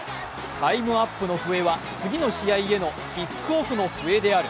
タイムアップの笛は次の試合へのキックオフへの笛である。